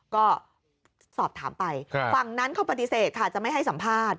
ก็สอบถามไปฝั่งนั้นเขาปฏิเสธค่ะจะไม่ให้สัมภาษณ์